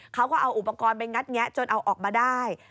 เขาก็เอาอุปกรณ์ไปงัดแงะจนเอาออกมาได้